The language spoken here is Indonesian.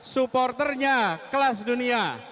supporternya kelas dunia